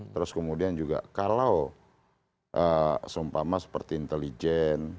terus kemudian juga kalau seumpama seperti intelijen